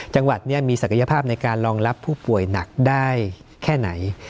จังหวัดนี้มีศักยภาพในการรองรับผู้ป่วยหนักได้แค่ไหน